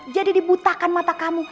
jadi dibutakan mata kamu